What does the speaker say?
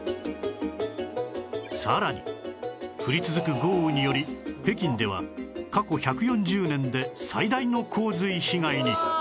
さらに降り続く豪雨により北京では過去１４０年で最大の洪水被害に